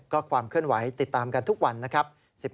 ก็ความเคลื่อนไหวติดตามกันทุกวันนะครับ